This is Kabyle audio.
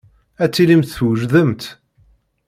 Ad tilimt twejdemt.